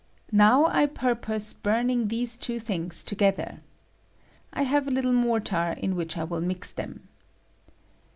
Now I purpose burning these two things to gether. I have a little mortar ia which I will mix them.